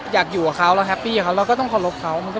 ถ้าอยู่แฮปปี้กับเค้าก็ต้องมีเกี่ยวกับเค้า